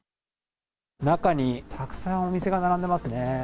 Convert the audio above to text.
中にたくさんお店が並んでますね。